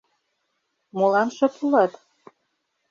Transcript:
Молан шып улат?